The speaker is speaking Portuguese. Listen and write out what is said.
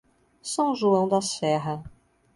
São João da Serra